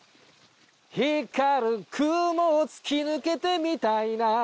「光る雲を突き抜けてみたいな」